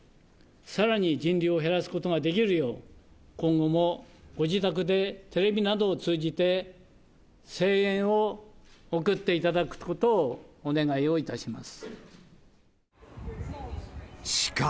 さらに人流を減らすことができるよう、今後もご自宅でテレビなどを通じて、声援を送っていただくことをお願いをいたします。